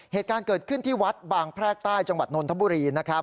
เหตุการณ์เกิดขึ้นที่วัดบางแพรกใต้จังหวัดนนทบุรีนะครับ